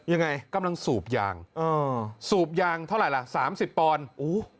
ยังไงกำลังสูบยางเออสูบยางเท่าไหร่ล่ะสามสิบปอนด์อู้